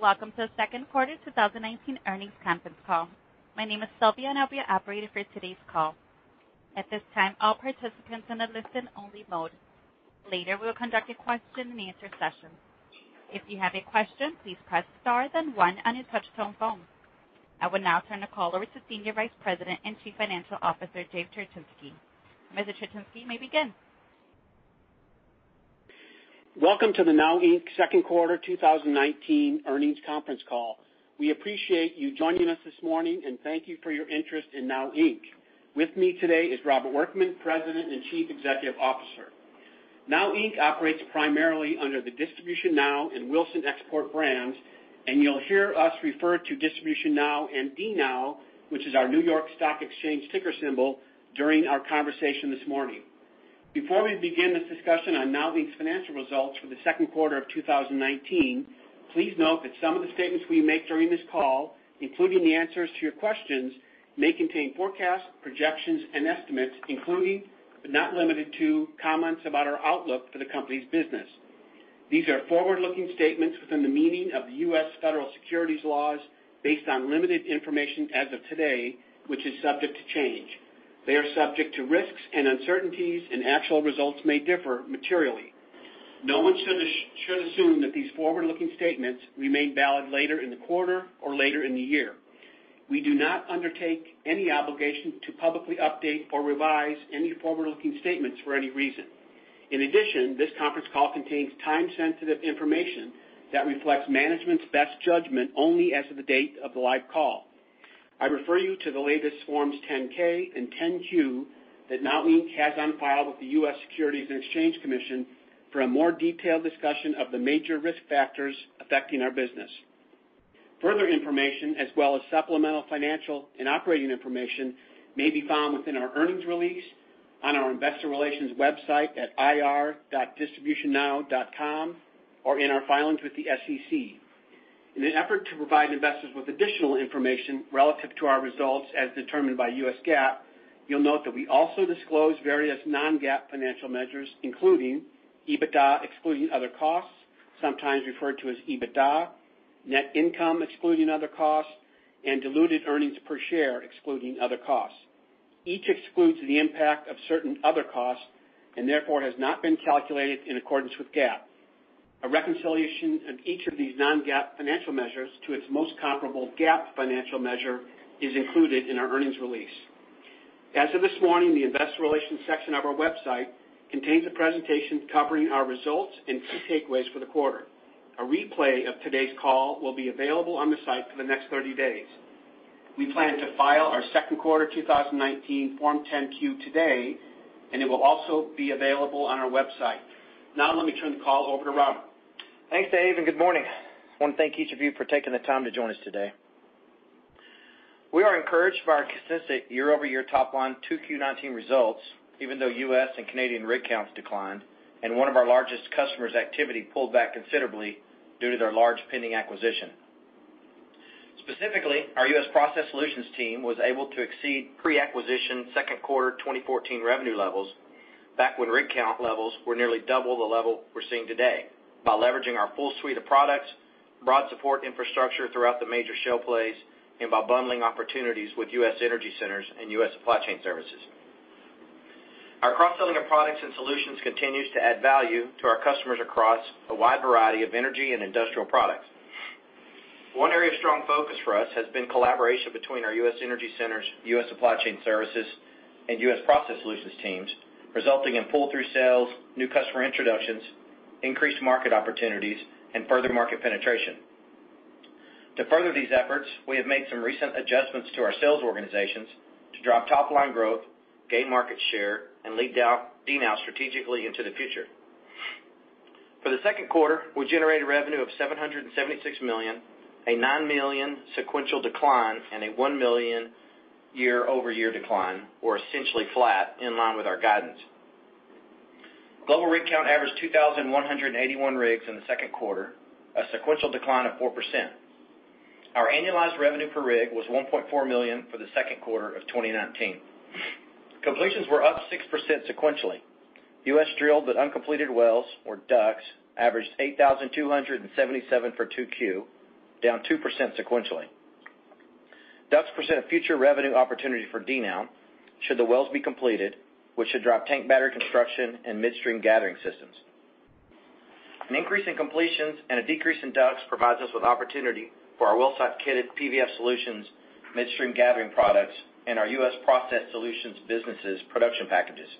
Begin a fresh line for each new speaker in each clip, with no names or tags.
Welcome to the second quarter 2019 earnings conference call. My name is Sylvia. I'll be your operator for today's call. At this time, all participants on a listen-only mode. Later, we'll conduct a question-and-answer session. If you have a question, please press star then one on your touch-tone phone. I will now turn the call over to Senior Vice President and Chief Financial Officer, David Cherechinsky. Mr. Cherechinsky, you may begin.
Welcome to the DNOW Inc second quarter 2019 earnings conference call. We appreciate you joining us this morning, and thank you for your interest in DNOW Inc. With me today is Robert Workman, President and Chief Executive Officer. DNOW Inc operates primarily under the DistributionNOW and Wilson Export brands, and you'll hear us refer to DistributionNOW and DNOW, which is our New York Stock Exchange ticker symbol, during our conversation this morning. Before we begin this discussion on DNOW Inc's financial results for the second quarter of 2019, please note that some of the statements we make during this call, including the answers to your questions, may contain forecasts, projections, and estimates including, but not limited to, comments about our outlook for the company's business. These are forward-looking statements within the meaning of the U.S. Federal Securities laws based on limited information as of today, which is subject to change. They are subject to risks and uncertainties, and actual results may differ materially. No one should assume that these forward-looking statements remain valid later in the quarter or later in the year. We do not undertake any obligation to publicly update or revise any forward-looking statements for any reason. This conference call contains time-sensitive information that reflects management's best judgment only as of the date of the live call. I refer you to the latest Forms 10-K and 10-Q that DNOW Inc has on file with the U.S. Securities and Exchange Commission for a more detailed discussion of the major risk factors affecting our business. Further information as well as supplemental financial and operating information may be found within our earnings release, on our Investor Relations website at ir.dnow.com or in our filings with the SEC. In an effort to provide investors with additional information relative to our results as determined by US GAAP, you'll note that we also disclose various non-GAAP financial measures, including EBITDA excluding other costs, sometimes referred to as EBITDA, net income excluding other costs, and diluted earnings per share excluding other costs. Each excludes the impact of certain other costs, and therefore has not been calculated in accordance with GAAP. A reconciliation of each of these non-GAAP financial measures to its most comparable GAAP financial measure is included in our earnings release. As of this morning, the Investor Relations section of our website contains a presentation covering our results and key takeaways for the quarter. A replay of today's call will be available on the site for the next 30 days. We plan to file our second quarter 2019 Form 10-Q today, and it will also be available on our website. Now let me turn the call over to Robert.
Thanks, Dave, and good morning. I want to thank each of you for taking the time to join us today. We are encouraged by our consistent year-over-year top-line 2Q19 results, even though U.S. and Canadian rig counts declined, and one of our largest customer's activity pulled back considerably due to their large pending acquisition. Specifically, our U.S. Process Solutions team was able to exceed pre-acquisition second quarter 2014 revenue levels back when rig count levels were nearly double the level we're seeing today by leveraging our full suite of products, broad support infrastructure throughout the major shale plays, and by bundling opportunities with U.S. Energy Centers and U.S. Supply Chain Services. Our cross-selling of products and solutions continues to add value to our customers across a wide variety of energy and industrial products. One area of strong focus for us has been collaboration between our U.S. Energy Centers, U.S. Supply Chain Services, and U.S. Process Solutions teams, resulting in pull-through sales, new customer introductions, increased market opportunities, and further market penetration. To further these efforts, we have made some recent adjustments to our sales organizations to drive top-line growth, gain market share, and lead DNOW strategically into the future. For the second quarter, we generated revenue of $776 million, a $9 million sequential decline, and a $1 million year-over-year decline, or essentially flat in line with our guidance. Global rig count averaged 2,181 rigs in the second quarter, a sequential decline of 4%. Our annualized revenue per rig was $1.4 million for the second quarter of 2019. Completions were up 6% sequentially. U.S. drilled but uncompleted wells, or DUCs, averaged 8,277 for 2Q, down 2% sequentially. DUCs present a future revenue opportunity for DNOW should the wells be completed, which should drive tank battery construction and midstream gathering systems. An increase in completions and a decrease in DUCs provides us with opportunity for our well site kitted PVF solutions, midstream gathering products, and our US Process Solutions businesses production packages.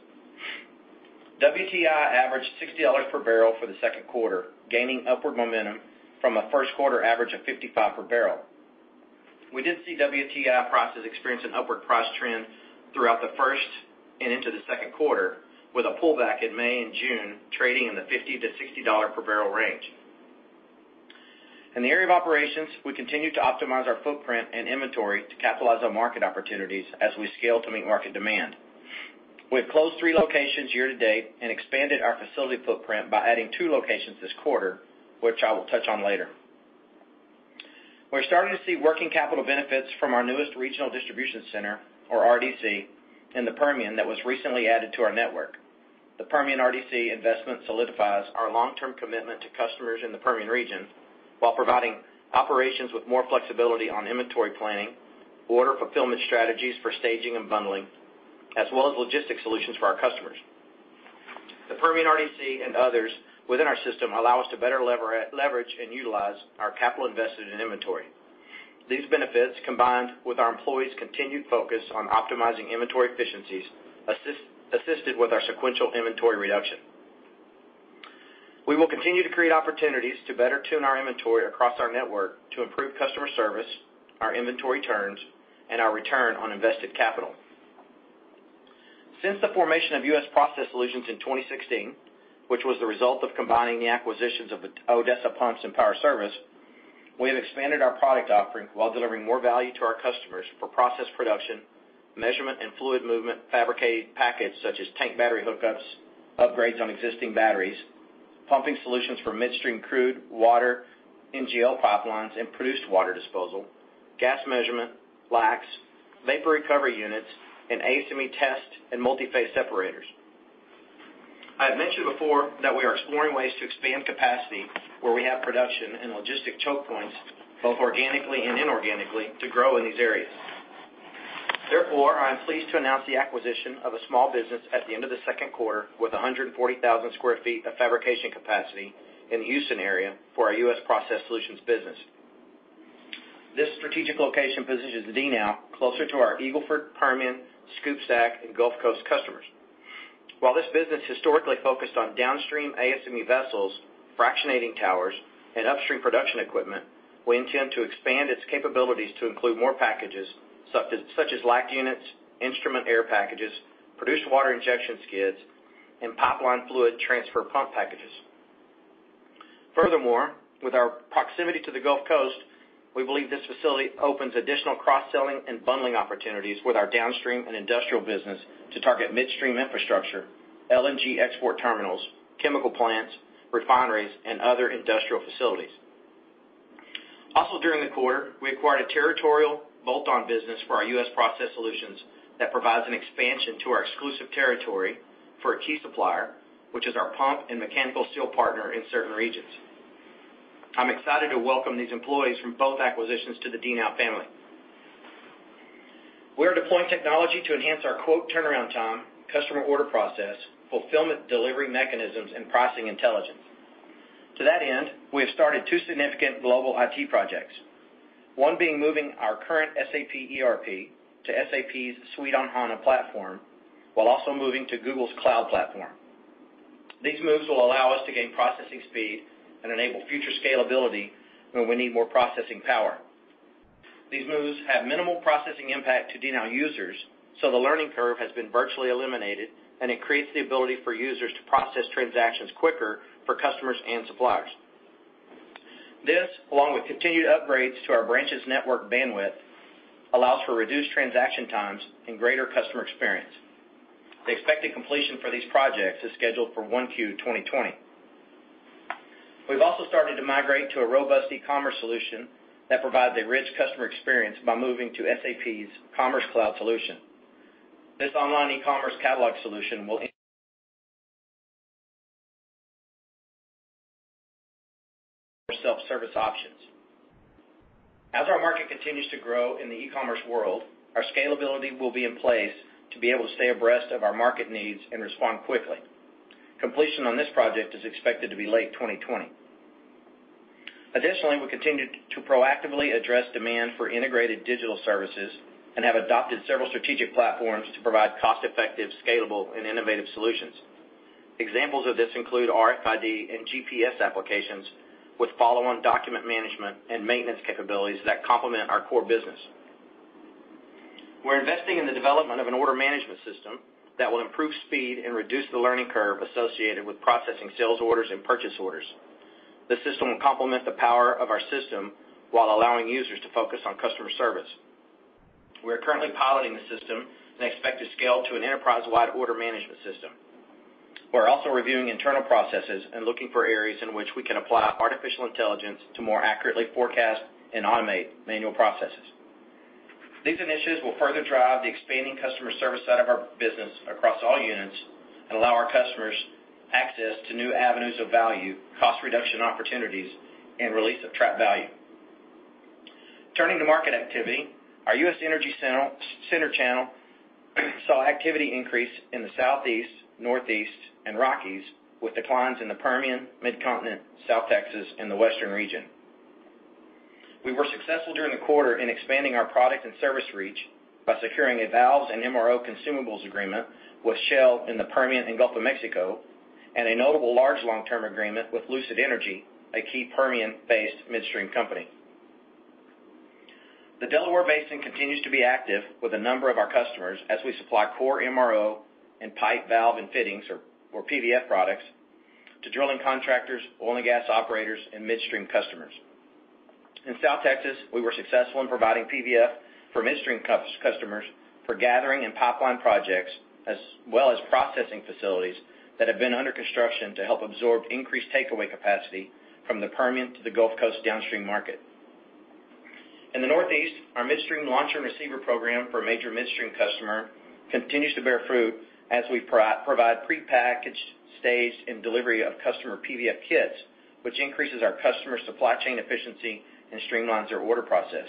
WTI averaged $60 per barrel for the second quarter, gaining upward momentum from a first quarter average of $55 per barrel. We did see WTI prices experience an upward price trend throughout the first and into the second quarter, with a pullback in May and June trading in the $50-$60 per barrel range. In the area of operations, we continue to optimize our footprint and inventory to capitalize on market opportunities as we scale to meet market demand. We have closed three locations year-to-date and expanded our facility footprint by adding two locations this quarter, which I will touch on later. We're starting to see working capital benefits from our newest regional distribution center, or RDC, in the Permian that was recently added to our network. The Permian RDC investment solidifies our long-term commitment to customers in the Permian region while providing operations with more flexibility on inventory planning, order fulfillment strategies for staging and bundling, as well as logistic solutions for our customers. The Permian RDC and others within our system allow us to better leverage and utilize our capital invested in inventory. These benefits, combined with our employees' continued focus on optimizing inventory efficiencies, assisted with our sequential inventory reduction. We will continue to create opportunities to better tune our inventory across our network to improve customer service, our inventory turns, and our return on invested capital. Since the formation of U.S. Process Solutions in 2016, which was the result of combining the acquisitions of Odessa Pumps and Power Service, we have expanded our product offering while delivering more value to our customers for process production, measurement and fluid-movement fabricated packages such as tank battery hookups, upgrades on existing batteries, pumping solutions for midstream crude water, NGL pipelines, and produced water disposal, gas measurement, LACTs, vapor recovery units, and ASME test and multi-phase separators. I have mentioned before that we are exploring ways to expand capacity where we have production and logistic choke points, both organically and inorganically, to grow in these areas. Therefore, I am pleased to announce the acquisition of a small business at the end of the second quarter with 140,000 sq ft of fabrication capacity in the Houston area for our U.S. Process Solutions business. This strategic location positions DNOW closer to our Eagle Ford, Permian, SCOOP-STACK, and Gulf Coast customers. While this business historically focused on downstream ASME vessels, fractionating towers, and upstream production equipment, we intend to expand its capabilities to include more packages such as LACT units, instrument air packages, produced water injection skids, and pipeline fluid transfer pump packages. Furthermore, with our proximity to the Gulf Coast, we believe this facility opens additional cross-selling and bundling opportunities with our downstream and industrial business to target midstream infrastructure, LNG export terminals, chemical plants, refineries, other industrial facilities. Also during the quarter, we acquired a territorial bolt-on business for our U.S. Process Solutions that provides an expansion to our exclusive territory for a key supplier, which is our pump and mechanical seal partner in certain regions. I'm excited to welcome these employees from both acquisitions to the DNOW family. We are deploying technology to enhance our quote turnaround time, customer order process, fulfillment delivery mechanisms, and pricing intelligence. To that end, we have started two significant global IT projects, one being moving our current SAP ERP to SAP's Suite on HANA platform while also moving to Google's Cloud platform. These moves will allow us to gain processing speed and enable future scalability when we need more processing power. These moves have minimal processing impact to DNOW users, so the learning curve has been virtually eliminated and increased the ability for users to process transactions quicker for customers and suppliers. This, along with continued upgrades to our branches network bandwidth, allows for reduced transaction times and greater customer experience. The expected completion for these projects is scheduled for 1Q 2020. We've also started to migrate to a robust e-commerce solution that provides a rich customer experience by moving to SAP's Commerce Cloud solution. This online e-commerce catalog solution will integrate seamlessly with our system. It's mobile-ready and allows our customers to have more self-service options. As our market continues to grow in the e-commerce world, our scalability will be in place to be able to stay abreast of our market needs and respond quickly. Completion on this project is expected to be late 2020. Additionally, we continue to proactively address demand for integrated digital services and have adopted several strategic platforms to provide cost-effective, scalable, and innovative solutions. Examples of this include RFID and GPS applications with follow-on document management and maintenance capabilities that complement our core business. We're investing in the development of an order management system that will improve speed and reduce the learning curve associated with processing sales orders and purchase orders. The system will complement the power of our system while allowing users to focus on customer service. We are currently piloting the system and expect to scale to an enterprise-wide order management system. We're also reviewing internal processes and looking for areas in which we can apply artificial intelligence to more accurately forecast and automate manual processes. These initiatives will further drive the expanding customer service side of our business across all units and allow our customers access to new avenues of value, cost reduction opportunities, and release of trapped value. Turning to market activity, our U.S. Energy Center channel saw activity increase in the Southeast, Northeast, and Rockies, with declines in the Permian, Mid-Continent, South Texas, and the Western region. We were successful during the quarter in expanding our product and service reach by securing valves and MRO consumables agreement with Shell in the Permian and Gulf of Mexico, and a notable large long-term agreement with Lucid Energy, a key Permian-based midstream company. The Delaware Basin continues to be active with a number of our customers as we supply core MRO and pipe, valve, and fittings, or PVF products to drilling contractors, oil and gas operators, and midstream customers. In South Texas, we were successful in providing PVF from midstream customers for gathering and pipeline projects, as well as processing facilities that have been under construction to help absorb increased takeaway capacity from the Permian to the Gulf Coast downstream market. In the Northeast, our midstream launcher and receiver program for a major midstream customer continues to bear fruit as we provide prepackaged, staged, and delivery of customer PVF kits, which increases our customer supply chain efficiency and streamlines their order process.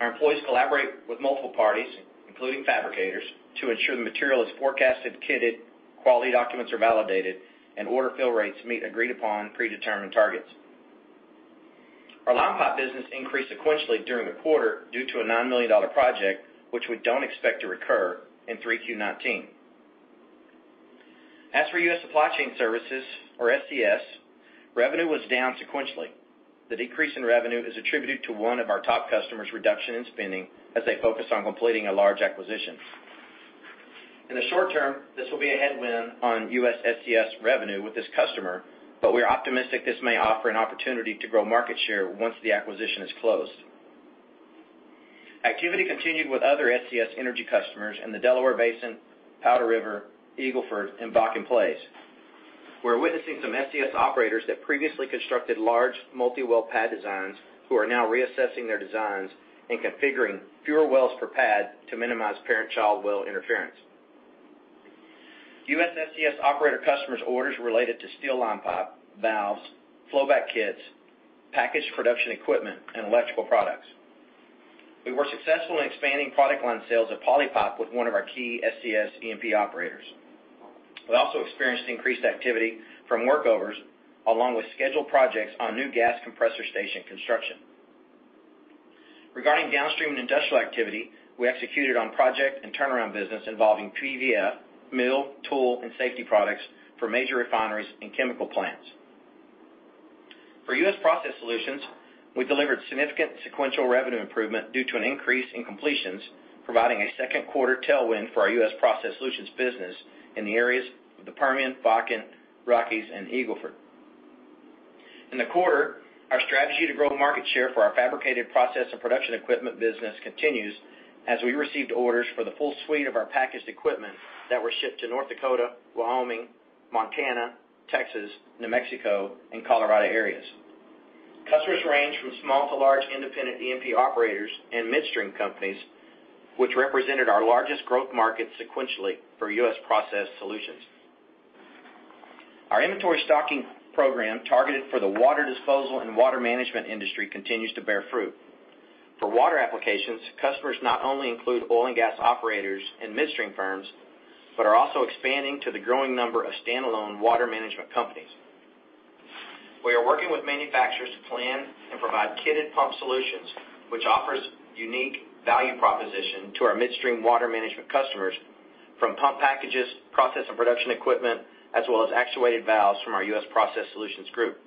Our employees collaborate with multiple parties, including fabricators, to ensure the material is forecasted, kitted, quality documents are validated, and order fill rates meet agreed upon predetermined targets. Our line pipe business increased sequentially during the quarter due to a $9 million project, which we don't expect to recur in 3Q 2019. As for U.S. Supply Chain Services, or SCS, revenue was down sequentially. The decrease in revenue is attributed to one of our top customers' reduction in spending as they focus on completing a large acquisition. In the short term, this will be a headwind on U.S. SCS revenue with this customer, but we're optimistic this may offer an opportunity to grow market share once the acquisition is closed. Activity continued with other SCS energy customers in the Delaware Basin, Powder River, Eagle Ford, and Bakken plays. We're witnessing some SCS operators that previously constructed large multi-well pad designs who are now reassessing their designs and configuring fewer wells per pad to minimize parent-child well interference. U.S. SCS operator customers' orders related to steel line pipe, valves, flowback kits, packaged production equipment, and electrical products. We were successful in expanding product line sales at PolyPipe with one of our key SCS E&P operators. We also experienced increased activity from workovers, along with scheduled projects on new gas compressor station construction. Regarding downstream and industrial activity, we executed on project and turnaround business involving PVF, mill, tool, and safety products for major refineries and chemical plants. For U.S. Process Solutions, we delivered significant sequential revenue improvement due to an increase in completions, providing a second quarter tailwind for our U.S. Process Solutions business in the areas of the Permian, Bakken, Rockies, and Eagle Ford. In the quarter, our strategy to grow market share for our fabricated process and production equipment business continues as we received orders for the full suite of our packaged equipment that were shipped to North Dakota, Wyoming, Montana, Texas, New Mexico, and Colorado areas. Customers range from small to large independent E&P operators and midstream companies, which represented our largest growth market sequentially for U.S. Process Solutions. Our inventory stocking program targeted for the water disposal and water management industry continues to bear fruit. For water applications, customers not only include oil and gas operators and midstream firms, but are also expanding to the growing number of standalone water management companies. We are working with manufacturers to plan and provide kitted pump solutions, which offers unique value proposition to our midstream water management customers from pump packages, process and production equipment, as well as actuated valves from our US Process Solutions group.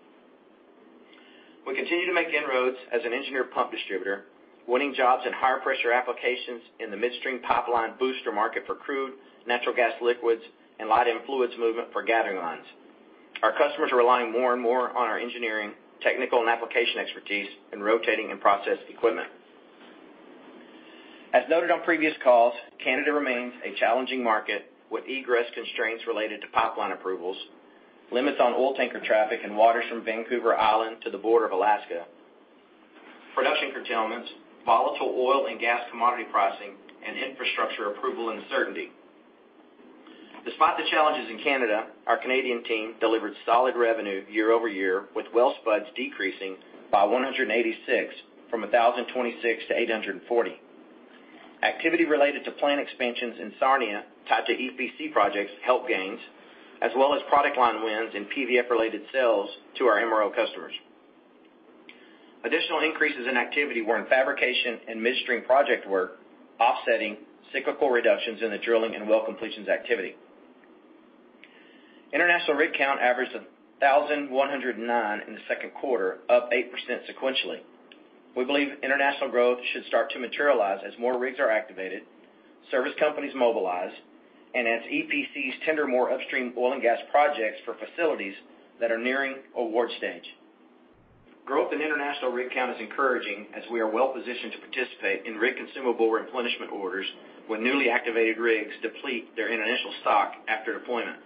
We continue to make inroads as an engineered pump distributor, winning jobs in higher pressure applications in the midstream pipeline booster market for crude, natural gas liquids, and light fluid movement for gathering lines. Our customers are relying more and more on our engineering, technical, and application expertise in rotating and process equipment. As noted on previous calls, Canada remains a challenging market with egress constraints related to pipeline approvals, limits on oil tanker traffic and waters from Vancouver Island to the border of Alaska, production curtailments, volatile oil and gas commodity pricing, and infrastructure approval and uncertainty. Despite the challenges in Canada, our Canadian team delivered solid revenue year-over-year, with well spuds decreasing by 186 from 1,026 to 840. Activity related to plant expansions in Sarnia tied to EPC projects helped gains, as well as product line wins and PVF-related sales to our MRO customers. Additional increases in activity were in fabrication and midstream project work, offsetting cyclical reductions in the drilling and well completions activity. International rig count averaged 1,109 in the second quarter, up 8% sequentially. We believe international growth should start to materialize as more rigs are activated, service companies mobilize, and as EPCs tender more upstream oil and gas projects for facilities that are nearing award stage. Growth in international rig count is encouraging, as we are well positioned to participate in rig consumable replenishment orders when newly activated rigs deplete their initial stock after deployment.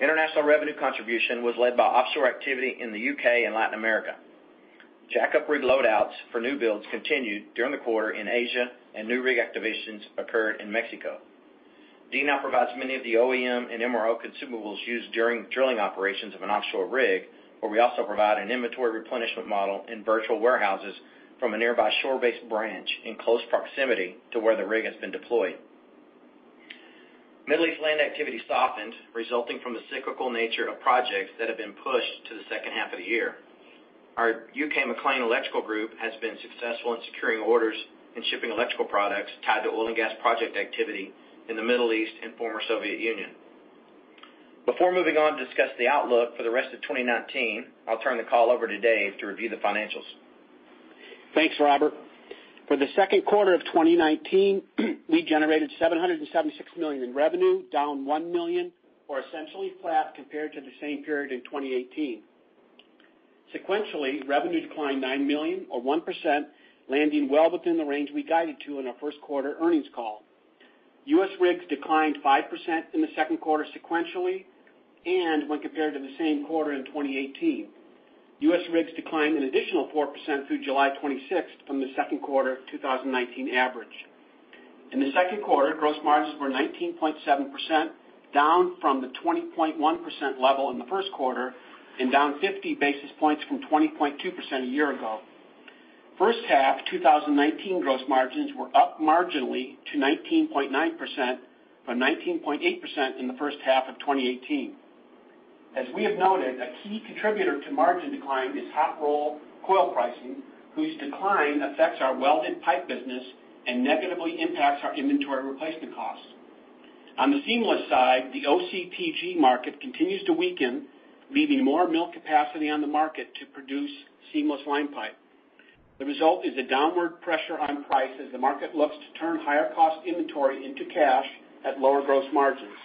International revenue contribution was led by offshore activity in the U.K. and Latin America. Jackup rig loadouts for new builds continued during the quarter in Asia and new rig activations occurred in Mexico. DNOW provides many of the OEM and MRO consumables used during drilling operations of an offshore rig, where we also provide an inventory replenishment model in virtual warehouses from a nearby shore-based branch in close proximity to where the rig has been deployed. Middle East land activity softened, resulting from the cyclical nature of projects that have been pushed to the second half of the year. Our U.K. MacLean Electrical group has been successful in securing orders and shipping electrical products tied to oil and gas project activity in the Middle East and former Soviet Union. Before moving on to discuss the outlook for the rest of 2019, I'll turn the call over to Dave to review the financials.
Thanks, Robert. For the second quarter of 2019, we generated $776 million in revenue, down $1 million, or essentially flat compared to the same period in 2018. Sequentially, revenue declined $9 million or 1%, landing well within the range we guided to in our first quarter earnings call. U.S. rigs declined 5% in the second quarter sequentially, and when compared to the same quarter in 2018. U.S. rigs declined an additional 4% through July 26th from the second quarter of 2019 average. In the second quarter, gross margins were 19.7%, down from the 20.1% level in the first quarter and down 50 basis points from 20.2% a year ago. First half 2019 gross margins were up marginally to 19.9% from 19.8% in the first half of 2018. As we have noted, a key contributor to margin decline is hot rolled coil pricing, whose decline affects our welded pipe business and negatively impacts our inventory replacement costs. On the seamless side, the OCTG market continues to weaken, leaving more mill capacity on the market to produce seamless line pipe. The result is a downward pressure on price as the market looks to turn higher cost inventory into cash at lower gross margins.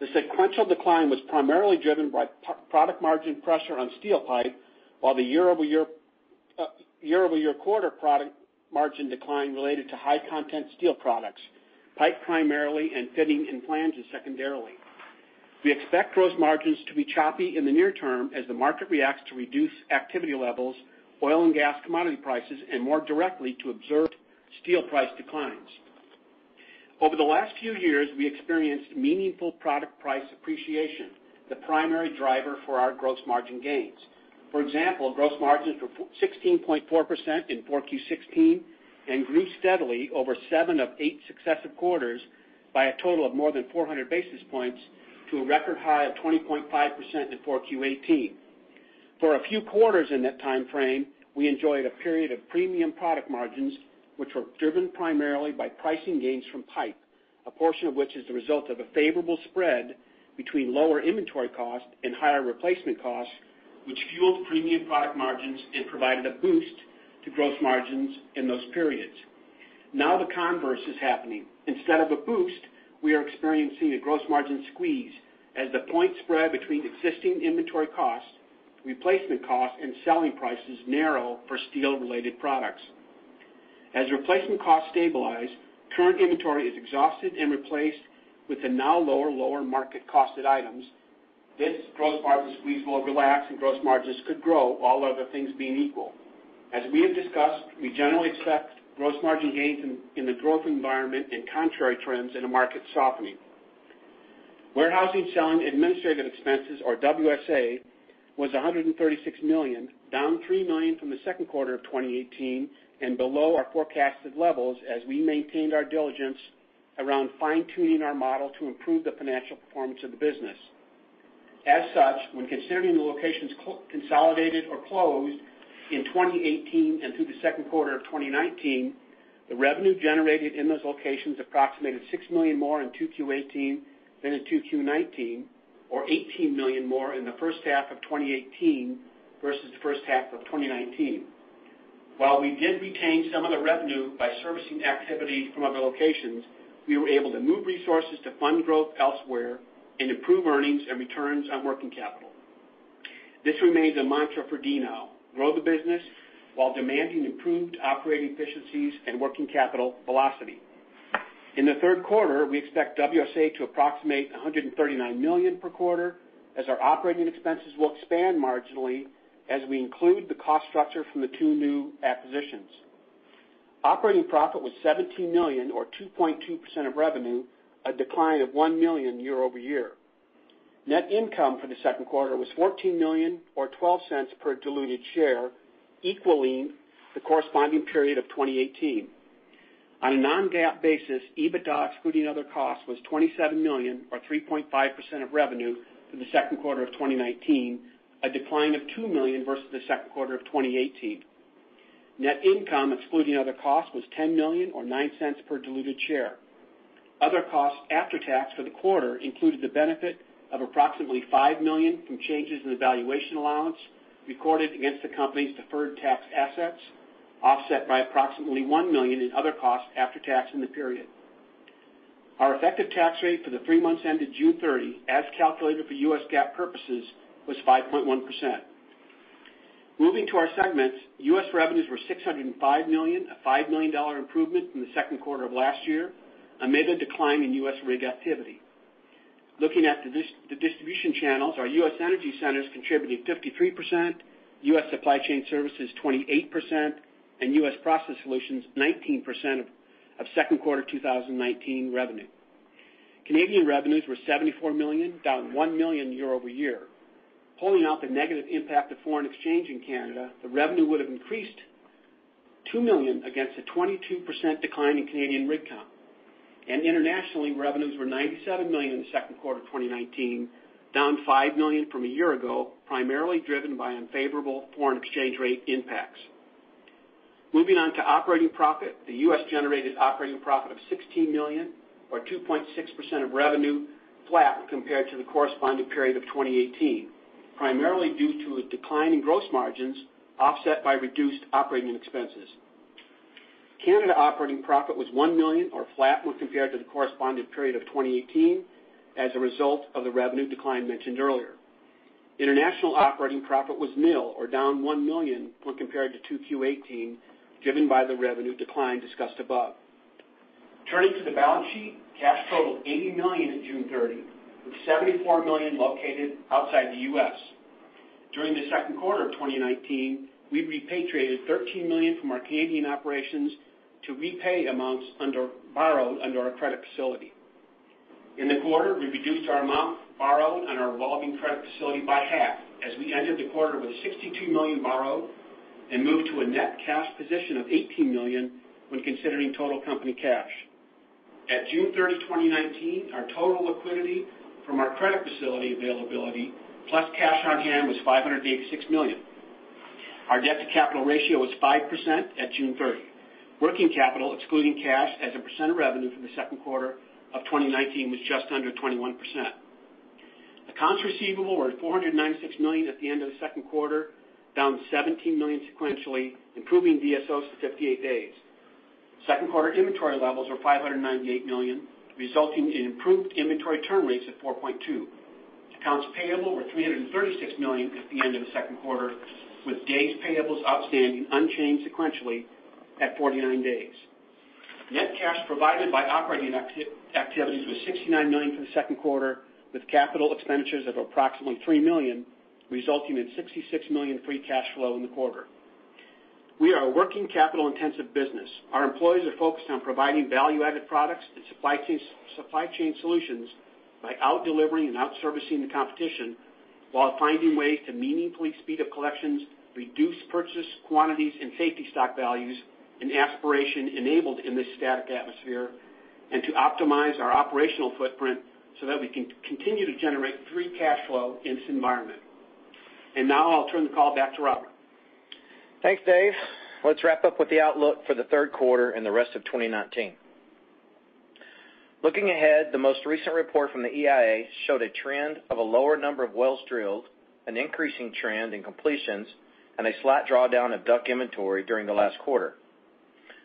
The sequential decline was primarily driven by product margin pressure on steel pipe, while the year-over-year quarter product margin decline related to high-content steel products, pipe primarily, and fitting and flanges secondarily. We expect gross margins to be choppy in the near term as the market reacts to reduced activity levels, oil and gas commodity prices, and more directly to observed steel price declines. Over the last few years, we experienced meaningful product price appreciation, the primary driver for our gross margin gains. For example, gross margins were 16.4% in 4Q 2016 and grew steadily over seven of eight successive quarters by a total of more than 400 basis points to a record high of 20.5% in 4Q 2018. For a few quarters in that time frame, we enjoyed a period of premium product margins, which were driven primarily by pricing gains from pipe, a portion of which is the result of a favorable spread between lower inventory cost and higher replacement cost, which fueled premium product margins and provided a boost to gross margins in those periods. The converse is happening. Instead of a boost, we are experiencing a gross margin squeeze as the point spread between existing inventory costs, replacement costs, and selling prices narrow for steel-related products. As replacement costs stabilize, current inventory is exhausted and replaced with the now lower market costed items. This gross margin squeeze will relax, and gross margins could grow, all other things being equal. As we have discussed, we generally expect gross margin gains in the growth environment and contrary trends in a market softening. Warehousing, selling, and administrative expenses, or WSA, was $136 million, down $3 million from the second quarter of 2018 and below our forecasted levels as we maintained our diligence around fine-tuning our model to improve the financial performance of the business. As such, when considering the locations consolidated or closed in 2018 and through the second quarter of 2019, the revenue generated in those locations approximated $6 million more in 2Q 2018 than in 2Q 2019, or $18 million more in the first half of 2018 versus the first half of 2019. While we did retain some of the revenue by servicing activity from other locations, we were able to move resources to fund growth elsewhere and improve earnings and returns on working capital. This remains a mantra for DNOW: Grow the business while demanding improved operating efficiencies and working capital velocity. In the third quarter, we expect WSA to approximate $139 million per quarter as our operating expenses will expand marginally as we include the cost structure from the two new acquisitions. Operating profit was $17 million or 2.2% of revenue, a decline of $1 million year-over-year. Net income for the second quarter was $14 million or $0.12 per diluted share, equaling the corresponding period of 2018. On a non-GAAP basis, EBITDA excluding other costs was $27 million or 3.5% of revenue for the second quarter of 2019, a decline of $2 million versus the second quarter of 2018. Net income excluding other costs was $10 million or $0.09 per diluted share. Other costs after tax for the quarter included the benefit of approximately $5 million from changes in the valuation allowance recorded against the company's deferred tax assets, offset by approximately $1 million in other costs after tax in the period. Our effective tax rate for the three months ended June 30, as calculated for US GAAP purposes, was 5.1%. Moving to our segments, U.S. revenues were $605 million, a $5 million improvement from the second quarter of last year amid a decline in U.S. rig activity. Looking at the distribution channels, our U.S. Energy Centers contributed 53%, U.S. Supply Chain Services 28%, and U.S. Process Solutions 19% of second quarter 2019 revenue. Canadian revenues were $74 million, down $1 million year-over-year. Pulling out the negative impact of foreign exchange in Canada, the revenue would have increased $2 million against a 22% decline in Canadian rig count. Internationally, revenues were $97 million in the second quarter of 2019, down $5 million from a year ago, primarily driven by unfavorable foreign exchange rate impacts. Moving on to operating profit, the U.S. generated operating profit of $16 million or 2.6% of revenue, flat compared to the corresponding period of 2018. Primarily due to a decline in gross margins offset by reduced operating expenses. Canada operating profit was $1 million or flat when compared to the corresponding period of 2018 as a result of the revenue decline mentioned earlier. International operating profit was nil or down $1 million when compared to 2Q 2018 given by the revenue decline discussed above. Turning to the balance sheet, cash totaled $80 million in June 30, with $74 million located outside the U.S. During the second quarter of 2019, we repatriated $13 million from our Canadian operations to repay amounts borrowed under our credit facility. In the quarter, we reduced our amount borrowed on our revolving credit facility by half as we ended the quarter with $62 million borrowed and moved to a net cash position of $18 million when considering total company cash. At June 30, 2019, our total liquidity from our credit facility availability plus cash on hand was $586 million. Our debt-to-capital ratio was 5% at June 30. Working capital, excluding cash as a percent of revenue for the second quarter of 2019 was just under 21%. Accounts receivable were at $496 million at the end of the second quarter, down $17 million sequentially, improving DSOs to 58 days. Second quarter inventory levels were $598 million, resulting in improved inventory turn rates of 4.2. Accounts payable were $336 million at the end of the second quarter, with days payables outstanding unchanged sequentially at 49 days. Net cash provided by operating activities was $69 million for the second quarter, with capital expenditures of approximately $3 million, resulting in $66 million free cash flow in the quarter. We are a working capital intensive business. Our employees are focused on providing value-added products and supply chain solutions by out-delivering and out-servicing the competition while finding ways to meaningfully speed up collections, reduce purchase quantities and safety stock values, an aspiration enabled in this static atmosphere, and to optimize our operational footprint so that we can continue to generate free cash flow in this environment. Now I'll turn the call back to Robert.
Thanks, Dave. Let's wrap up with the outlook for the third quarter and the rest of 2019. Looking ahead, the most recent report from the EIA showed a trend of a lower number of wells drilled, an increasing trend in completions, and a slight drawdown of DUC inventory during the last quarter.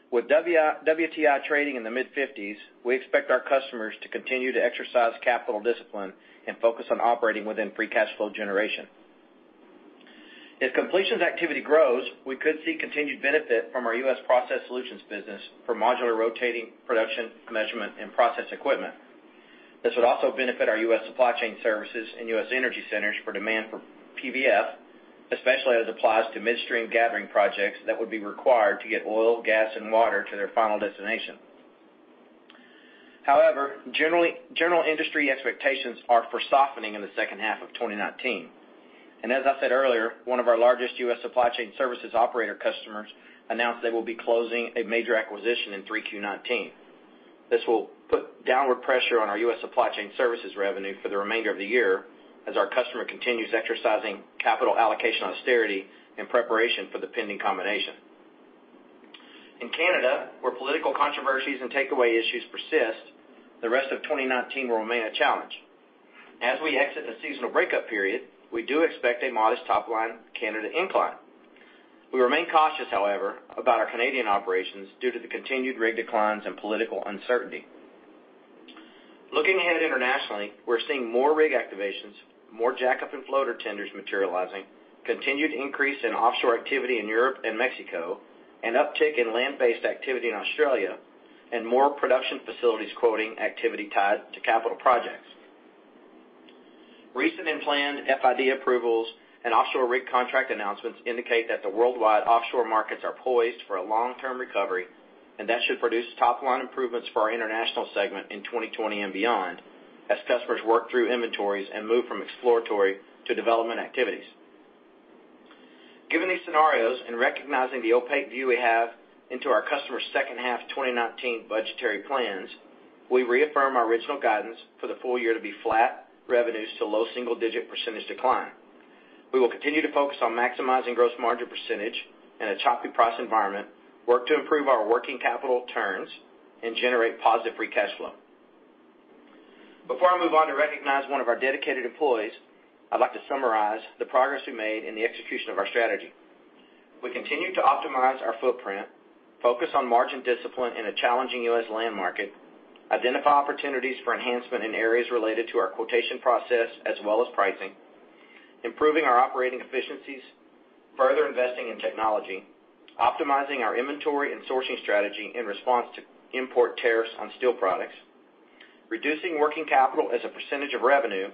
With WTI trading in the mid-50s, we expect our customers to continue to exercise capital discipline and focus on operating within free cash flow generation. If completions activity grows, we could see continued benefit from our U.S. Process Solutions business for modular rotating production measurement and process equipment. This would also benefit our U.S. Supply Chain Services and U.S. Energy Centers for demand for PVF, especially as it applies to midstream gathering projects that would be required to get oil, gas, and water to their final destination. However, general industry expectations are for softening in the second half of 2019. As I said earlier, one of our largest U.S. Supply Chain Services operator customers announced they will be closing a major acquisition in 3Q 2019. This will put downward pressure on our U.S. Supply Chain Services revenue for the remainder of the year as our customer continues exercising capital allocation austerity in preparation for the pending combination. In Canada, where political controversies and takeaway issues persist, the rest of 2019 will remain a challenge. As we exit the seasonal breakup period, we do expect a modest top-line Canada incline. We remain cautious, however, about our Canadian operations due to the continued rig declines and political uncertainty. Looking ahead internationally, we're seeing more rig activations, more jackup and floater tenders materializing, continued increase in offshore activity in Europe and Mexico, an uptick in land-based activity in Australia, and more production facilities quoting activity tied to capital projects. Recent and planned FID approvals and offshore rig contract announcements indicate that the worldwide offshore markets are poised for a long-term recovery. That should produce top-line improvements for our international segment in 2020 and beyond as customers work through inventories and move from exploratory to development activities. Given these scenarios and recognizing the opaque view we have into our customers' second half 2019 budgetary plans, we reaffirm our original guidance for the full year to be flat revenues to low-single-digit percentage decline. We will continue to focus on maximizing gross margin percentage in a choppy price environment, work to improve our working capital turns, and generate positive free cash flow. Before I move on to recognize one of our dedicated employees, I'd like to summarize the progress we made in the execution of our strategy. We continue to optimize our footprint, focus on margin discipline in a challenging U.S. land market, identify opportunities for enhancement in areas related to our quotation process as well as pricing, improving our operating efficiencies, further investing in technology, optimizing our inventory and sourcing strategy in response to import tariffs on steel products, reducing working capital as a percentage of revenue,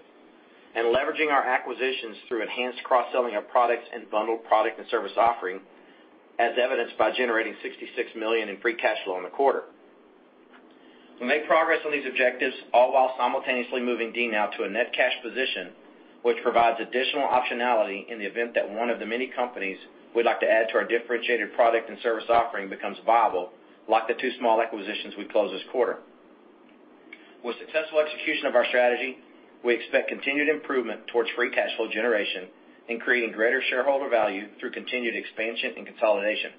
and leveraging our acquisitions through enhanced cross-selling of products and bundled product and service offering, as evidenced by generating $66 million in free cash flow in the quarter. We made progress on these objectives all while simultaneously moving DNOW to a net cash position, which provides additional optionality in the event that one of the many companies we'd like to add to our differentiated product and service offering becomes viable, like the two small acquisitions we closed this quarter. With successful execution of our strategy, we expect continued improvement towards free cash flow generation and creating greater shareholder value through continued expansion and consolidation.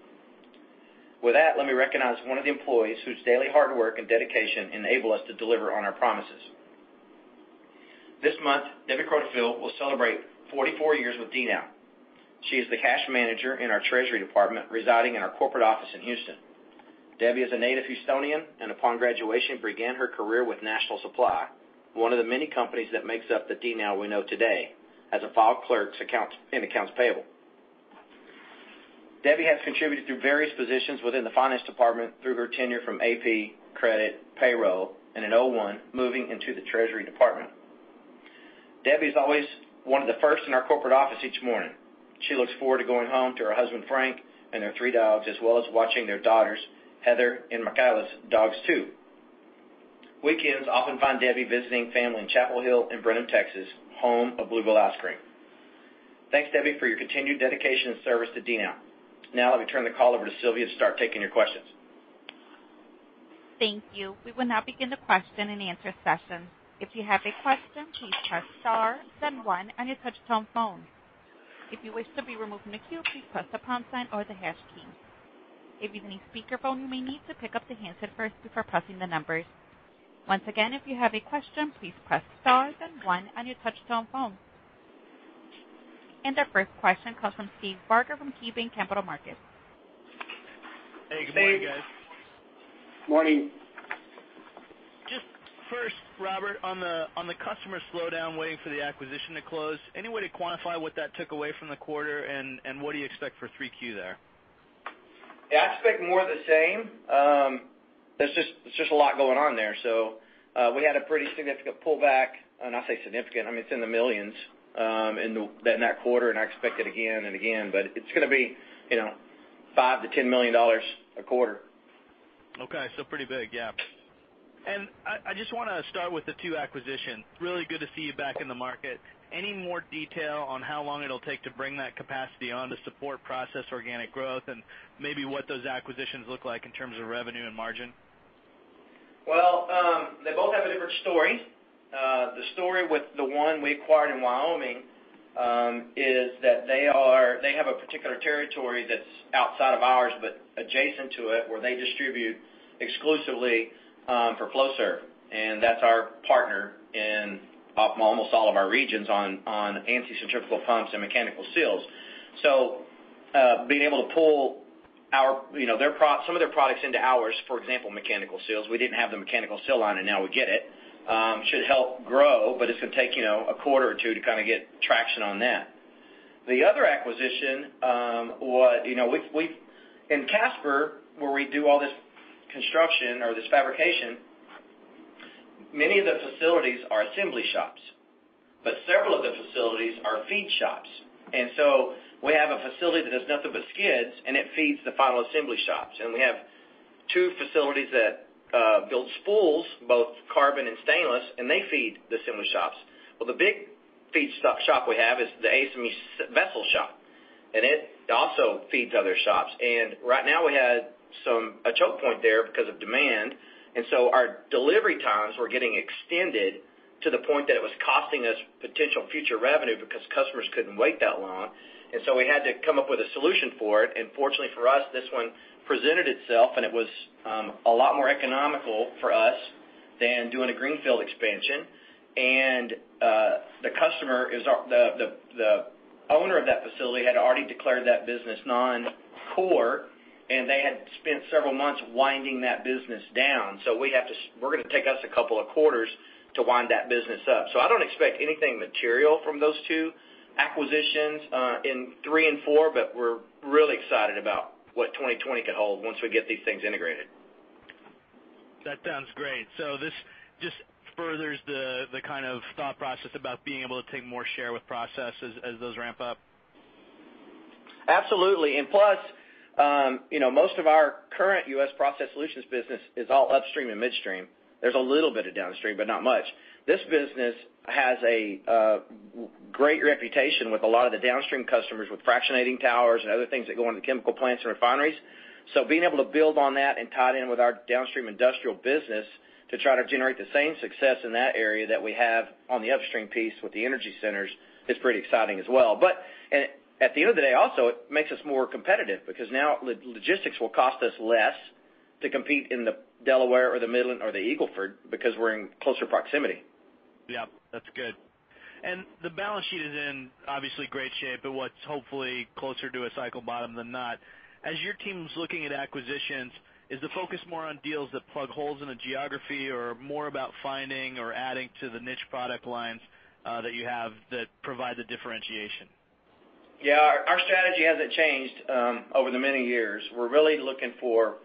With that, let me recognize one of the employees whose daily hard work and dedication enable us to deliver on our promises. This month, Debbie Crodefiel will celebrate 44 years with DNOW. She is the cash manager in our treasury department residing in our corporate office in Houston. Debbie is a native Houstonian, and upon graduation, began her career with National Supply, one of the many companies that makes up the DNOW we know today, as a file clerk in Accounts Payable. Debbie has contributed through various positions within the finance department through her tenure from AP, credit, payroll, and in 2001, moving into the Treasury Department. Debbie is always one of the first in our corporate office each morning. She looks forward to going home to her husband, Frank, and their three dogs, as well as watching their daughters, Heather and Michaela's dogs, too. Weekends often find Debbie visiting family in Chappell Hill in Brenham, Texas, home of Blue Bell Ice Cream. Thanks, Debbie, for your continued dedication and service to DNOW. Now, let me turn the call over to Sylvia to start taking your questions.
Thank you. We will now begin the question-and-answer session. If you have a question, please press star then one on your touch-tone phone. If you wish to be removed from the queue, please press the pound sign or the hash key. If using a speakerphone, you may need to pick up the handset first before pressing the numbers. Once again, if you have a question, please press star then one on your touch-tone phone. Our first question comes from Steve Barger from KeyBanc Capital Markets.
Hey, good morning, guys.
Morning.
Just first, Robert, on the customer slowdown, waiting for the acquisition to close, any way to quantify what that took away from the quarter, and what do you expect for 3Q there?
I expect more of the same. There's just a lot going on there. We had a pretty significant pullback, and I say significant, I mean, it's in the millions in that quarter, and I expect it again and again. It's going to be $5 million-$10 million a quarter.
Okay. Pretty big. Yeah. I just want to start with the two acquisitions. Really good to see you back in the market. Any more detail on how long it'll take to bring that capacity on to support process organic growth and maybe what those acquisitions look like in terms of revenue and margin?
They both have a different story. The story with the one we acquired in Wyoming, is that they have a particular territory that's outside of ours, but adjacent to it, where they distribute exclusively for Flowserve, and that's our partner in almost all of our regions on ANSI centrifugal pumps and mechanical seals. Being able to pull some of their products into ours, for example, mechanical seals, we didn't have the mechanical seal line, and now we get it, should help grow, but it's going to take a quarter or two to kind of get traction on that. The other acquisition, in Casper, where we do all this construction or this fabrication, many of the facilities are assembly shops, but several of the facilities are feed shops. We have a facility that has nothing but skids, and it feeds the final assembly shops. We have two facilities that build spools, both carbon and stainless, and they feed the assembly shops. Well, the big feed shop we have is the ASME vessel shop, and it also feeds other shops. Right now, we had a choke point there because of demand, and so our delivery times were getting extended to the point that it was costing us potential future revenue because customers couldn't wait that long. We had to come up with a solution for it. Fortunately for us, this one presented itself, and it was a lot more economical for us than doing a greenfield expansion. The owner of that facility had already declared that business non-core, and they had spent several months winding that business down. We're going to take us a couple of quarters to wind that business up. I don't expect anything material from those two acquisitions in three and four, but we're really excited about what 2020 could hold once we get these things integrated.
That sounds great. This just furthers the kind of thought process about being able to take more share with processes as those ramp up.
Absolutely. Plus, most of our current U.S. Process Solutions business is all upstream and midstream. There's a little bit of downstream, not much. This business has a great reputation with a lot of the downstream customers with fractionating towers and other things that go into chemical plants and refineries. Being able to build on that and tie it in with our downstream industrial business to try to generate the same success in that area that we have on the upstream piece with the Energy Centers is pretty exciting as well. At the end of the day, also, it makes us more competitive because now logistics will cost us less to compete in the Delaware or the Midland or the Eagle Ford because we're in closer proximity.
Yeah. That's good. The balance sheet is in obviously great shape, but what's hopefully closer to a cycle bottom than not. As your team's looking at acquisitions, is the focus more on deals that plug holes in a geography or more about finding or adding to the niche product lines that you have that provide the differentiation?
Yeah. Our strategy hasn't changed over the many years. We're really looking for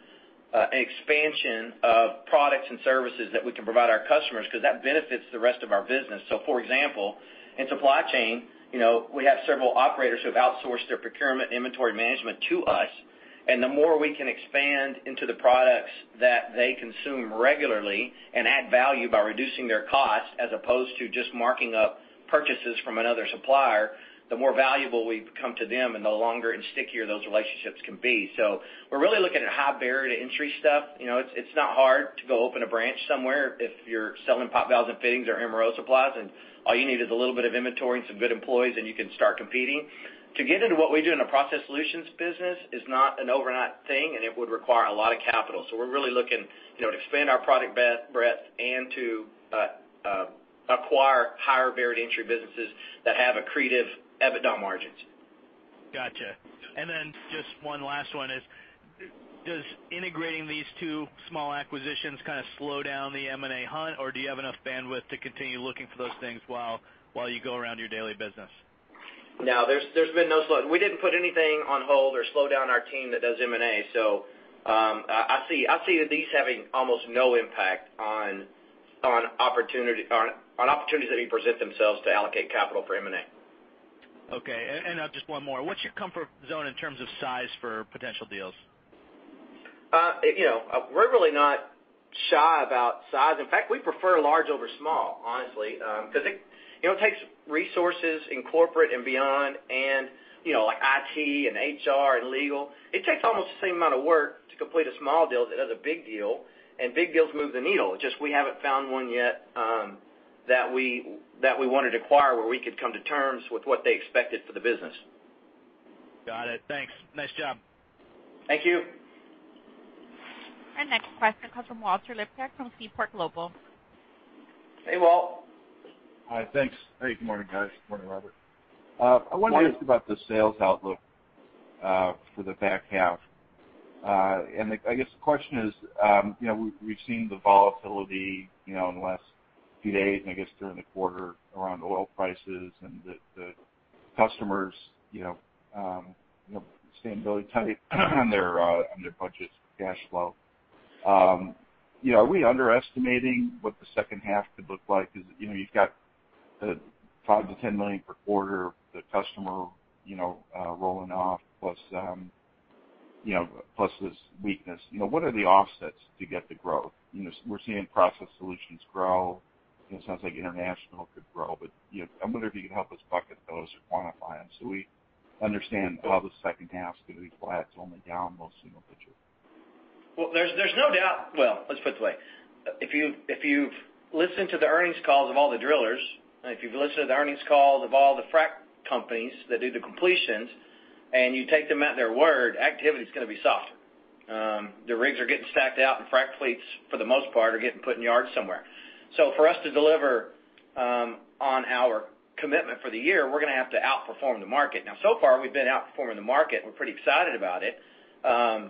an expansion of products and services that we can provide our customers because that benefits the rest of our business. For example, in supply chain, we have several operators who have outsourced their procurement inventory management to us, and the more we can expand into the products that they consume regularly and add value by reducing their costs, as opposed to just marking up purchases from another supplier, the more valuable we become to them, and the longer and stickier those relationships can be. We're really looking at high barrier to entry stuff. It's not hard to go open a branch somewhere if you're selling pipe, valves, and fittings or MRO supplies, and all you need is a little bit of inventory and some good employees, and you can start competing. To get into what we do in a process solutions business is not an overnight thing, and it would require a lot of capital. We're really looking to expand our product breadth and to acquire higher barrier-to-entry businesses that have accretive EBITDA margins.
Got you. Just one last one is, does integrating these two small acquisitions kind of slow down the M&A hunt, or do you have enough bandwidth to continue looking for those things while you go around your daily business?
No, there's been no slow. We didn't put anything on hold or slow down our team that does M&A. I see these having almost no impact on opportunities that may present themselves to allocate capital for M&A.
Okay. Now just one more. What's your comfort zone in terms of size for potential deals?
We're really not shy about size. In fact, we prefer large over small, honestly. It takes resources in corporate and beyond, like IT and HR and legal. It takes almost the same amount of work to complete a small deal as it does a big deal, and big deals move the needle. It's just we haven't found one yet that we want to acquire where we could come to terms with what they expected for the business.
Got it. Thanks. Nice job.
Thank you.
Our next question comes from Walter Liptak from Seaport Global.
Hey, Walt.
Hi. Thanks. Hey, good morning, guys. Good morning, Robert.
Morning.
I wonder if about the sales outlook for the back half. I guess the question is, we've seen the volatility in the last few days, and I guess during the quarter around oil prices and the customers staying really tight on their budgets and cash flow. Are we underestimating what the second half could look like? You've got $5 million-$10 million per quarter of the customer rolling off, plus this weakness. What are the offsets to get the growth? We're seeing Process Solutions grow. It sounds like international could grow, but I wonder if you could help us bucket those or quantify them so we understand how the second half's going to be flat to only down, we'll see in the future.
Well, there's no doubt, let's put it this way. If you've listened to the earnings calls of all the drillers, and if you've listened to the earnings calls of all the frac companies that do the completions, and you take them at their word, activity's gonna be soft. The rigs are getting stacked out, and frac fleets, for the most part, are getting put in yards somewhere. For us to deliver on our commitment for the year, we're gonna have to outperform the market. So far, we've been outperforming the market. We're pretty excited about it. I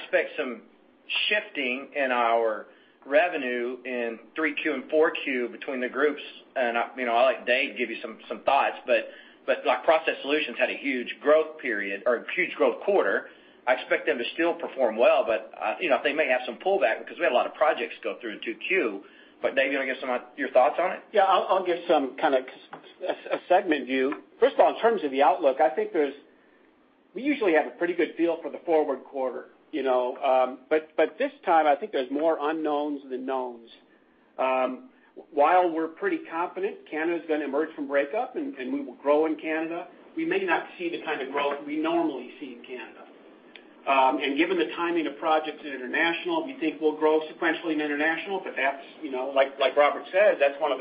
expect some shifting in our revenue in 3Q and 4Q between the groups, and I'll let Dave give you some thoughts. Process Solutions had a huge growth period or a huge growth quarter. I expect them to still perform well, but they may have some pullback because we had a lot of projects go through in 2Q. Dave, you want to give some of your thoughts on it?
Yeah, I'll give some kind of a segment view. First of all, in terms of the outlook, I think we usually have a pretty good feel for the forward quarter. This time, I think there's more unknowns than knowns. While we're pretty confident Canada's gonna emerge from breakup and we will grow in Canada, we may not see the kind of growth we normally see in Canada. Given the timing of projects in international, we think we'll grow sequentially in international, but that's, like Robert said, that's one of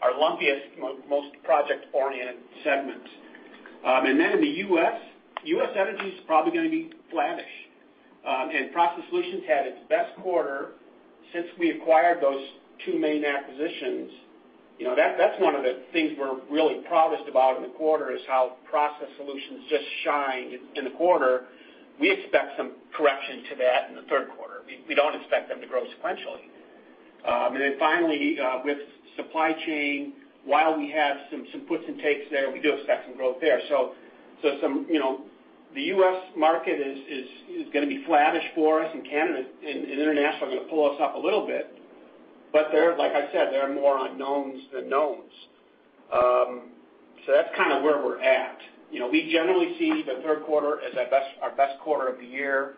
our lumpiest, most project-oriented segments. Then in the U.S., energy's probably gonna be flattish. Process Solutions had its best quarter since we acquired those two main acquisitions. That's one of the things we're really proudest about in the quarter is how Process Solutions just shined in the quarter. We expect some correction to that in the third quarter. We don't expect them to grow sequentially. Finally, with supply chain, while we have some puts and takes there, we do expect some growth there. The U.S. market is going to be flattish for us in Canada, and international is gonna pull us up a little bit. Like I said, there are more unknowns than knowns. That's kind of where we're at. We generally see the third quarter as our best quarter of the year.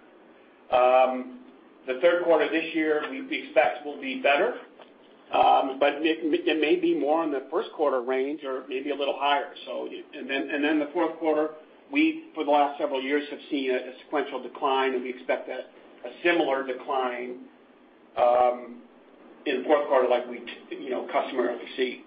The third quarter this year, we expect will be better. It may be more in the first quarter range or maybe a little higher. The fourth quarter, we, for the last several years, have seen a sequential decline, and we expect a similar decline in the fourth quarter like we customarily see.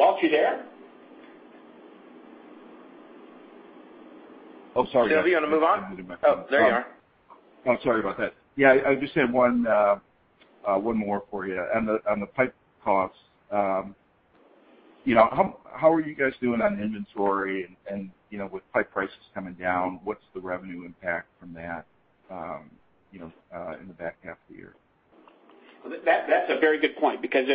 Walt, you there?
Oh, sorry.
You want me to move on? Oh, there you are.
Sorry about that. I just had one more for you. On the pipe costs, how are you guys doing on inventory and with pipe prices coming down, what's the revenue impact from that in the back half of the year?
That's a very good point because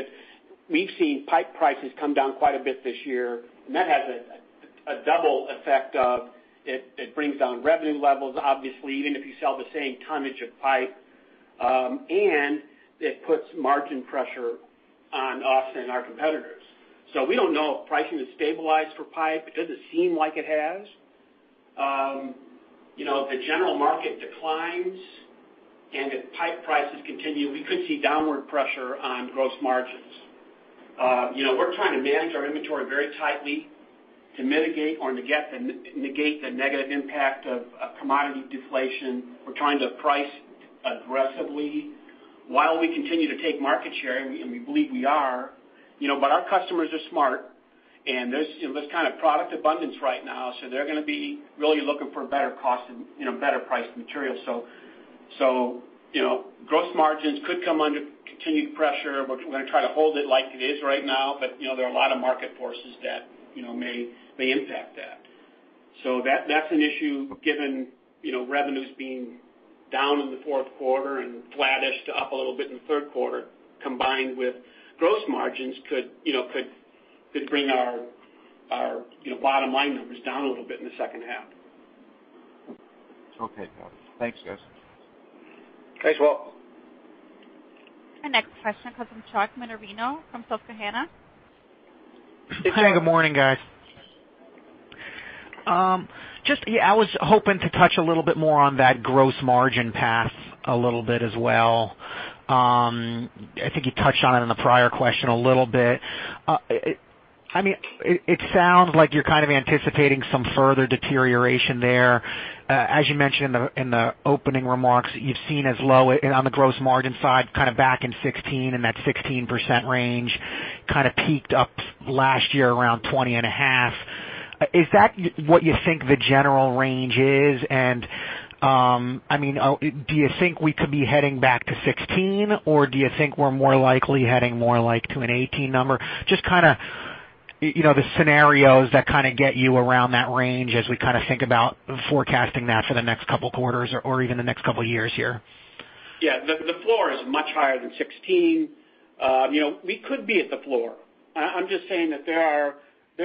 we've seen pipe prices come down quite a bit this year, and that has a double effect of it brings down revenue levels, obviously, even if you sell the same tonnage of pipe, and it puts margin pressure on us and our competitors. We don't know if pricing has stabilized for pipe. It doesn't seem like it has. If the general market declines and if pipe prices continue, we could see downward pressure on gross margins. We're trying to manage our inventory very tightly to mitigate or negate the negative impact of commodity deflation. We're trying to price aggressively while we continue to take market share, and we believe we are. Our customers are smart, and there's product abundance right now, they're going to be really looking for better cost and better priced material. Gross margins could come under continued pressure. We're going to try to hold it like it is right now, there are a lot of market forces that may impact that. That's an issue given revenues being down in the fourth quarter and flattish to up a little bit in the third quarter, combined with gross margins could bring our bottom line numbers down a little bit in the second half.
Okay. Got it. Thanks, guys.
Thanks, Walt.
Our next question comes from Charles Minervino from Susquehanna.
Hey, good morning, guys. I was hoping to touch a little bit more on that gross margin path a little bit as well. I think you touched on it in the prior question a little bit. It sounds like you're kind of anticipating some further deterioration there. As you mentioned in the opening remarks, you've seen as low on the gross margin side, kind of back in 2016, in that 16% range, kind of peaked up last year around 20.5%. Is that what you think the general range is? Do you think we could be heading back to 16%? Or do you think we're more likely heading more to an 18% number? Just the scenarios that kind of get you around that range as we think about forecasting that for the next couple of quarters or even the next couple of years here.
The floor is much higher than 16%. We could be at the floor. I'm just saying that there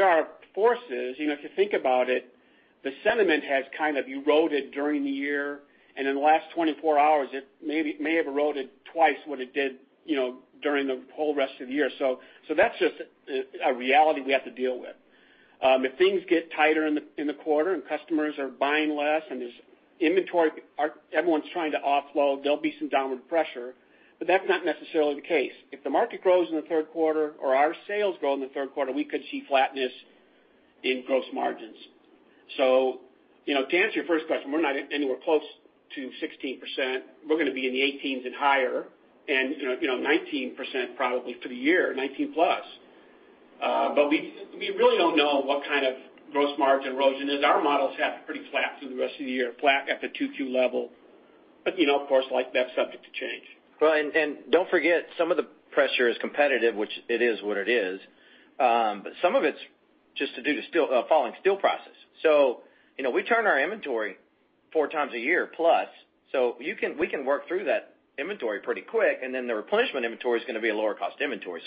are forces. If you think about it, the sentiment has kind of eroded during the year, and in the last 24 hours, it may have eroded twice what it did during the whole rest of the year. That's just a reality we have to deal with. If things get tighter in the quarter and customers are buying less, and there's inventory everyone's trying to offload, there'll be some downward pressure, but that's not necessarily the case. If the market grows in the third quarter or our sales grow in the third quarter, we could see flatness in gross margins. To answer your first question, we're not anywhere close to 16%. We're going to be in the 18s and higher, and 19% probably for the year, 19%+. We really don't know what kind of gross margin erosion, as our models have it pretty flat through the rest of the year, flat at the 2Q level. Of course, that's subject to change.
Well, don't forget, some of the pressure is competitive, which it is what it is. Some of it's just to do the falling steel prices. We turn our inventory four times a year plus, so we can work through that inventory pretty quick, and then the replenishment inventory is going to be a lower cost inventory.